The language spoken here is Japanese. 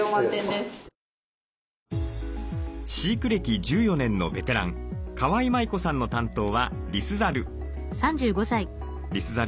飼育歴１４年のベテラン川井舞子さんの担当はリスザル。